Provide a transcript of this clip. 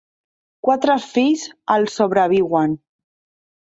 Quatre fills el sobreviuen.